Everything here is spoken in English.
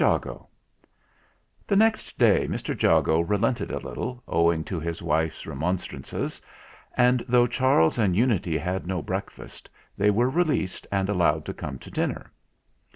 JAGO The next day Mr. Jago relented a little, ow ing to his wife's remonstrances; and though Charles and Unity had no breakfast, they were released and allowed to come to dinner.